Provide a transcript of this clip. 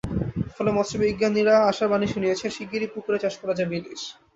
ফলে মৎস্যবিজ্ঞানীরা আশার বাণী শুনিয়েছেন, শিগগিরই পুকুরে চাষ করা যাবে ইলিশ।